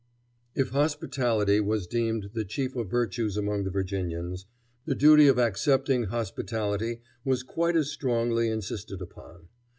If hospitality was deemed the chief of virtues among the Virginians, the duty of accepting hospitality was quite as strongly insisted upon.